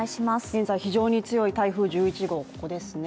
現在、非常に強い台風１１号、ここですね